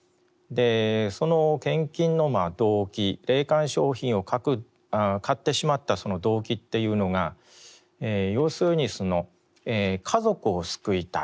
その献金の動機霊感商品を買ってしまったその動機というのが要するに家族を救いたい先祖を救いたい。